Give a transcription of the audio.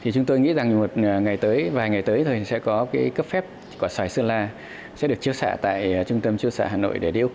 chúng tôi nghĩ rằng vào vài ngày tới thì sẽ có cấp phép quả xoài xương la sẽ được chiếu xạ tại trung tâm chiếu xạ hà nội để đi úc